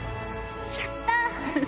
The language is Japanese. やった！